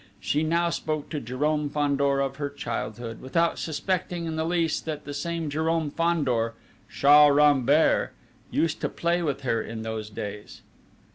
She now spoke to Jérôme Fandor of her childhood without suspecting in the least that the same Jérôme Fandor Charles Rambert used to play with her in those days.